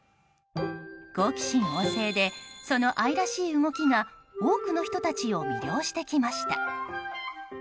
好奇心旺盛でその愛らしい動きが多くの人たちを魅了してきました。